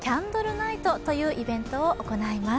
ナイトというイベントを行います。